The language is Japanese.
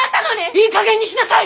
いいかげんにしなさい！